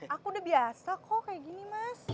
aku udah biasa kok kayak gini mas